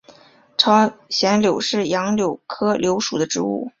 朝鲜柳是杨柳科柳属的植物。